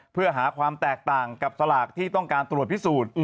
เพื่อหาความแตกต่างกับสลากที่ต้องการตรวจพิสูจน์